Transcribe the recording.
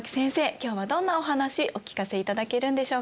今日はどんなお話お聞かせいただけるんでしょうか？